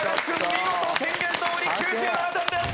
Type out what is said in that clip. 見事宣言どおり９７点です！